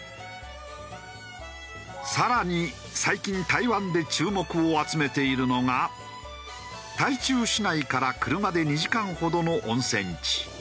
更に最近台湾で注目を集めているのが台中市内から車で２時間ほどの温泉地グーグァン。